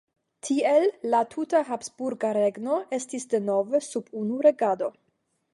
Tiel la tuta habsburga regno estis denove sub unu regado.